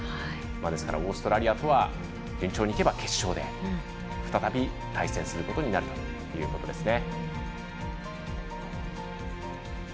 ですからオーストラリアとは順調にいけば決勝で再び対戦することになるということですね。